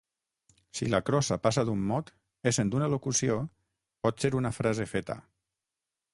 Si la crossa passa d'un mot, essent una locució, pot ser una frase feta.